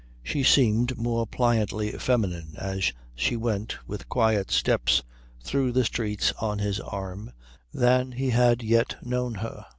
She seemed more pliantly feminine as she went with quiet steps through the streets on his arm than he had yet known her.